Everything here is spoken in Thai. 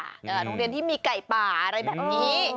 โรงเรียนที่มีไก่ป่าอะไรแบบนี้